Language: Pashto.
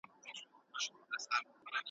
ولې خلکو احتکار ته مخه کړه؟